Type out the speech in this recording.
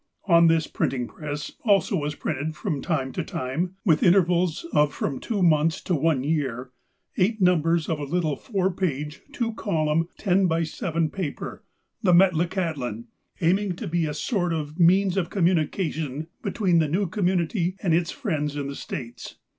On this printing press also was printed from time to time, with intervals of from two months to one year, eight numbers of a little four page, two column, ten by seven paper. The MetlaJcahtlan, aiming to be a sort of means of communication between the new community and its friends in the States.